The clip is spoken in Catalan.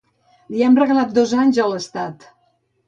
Li hem regalat dos anys a l’estat!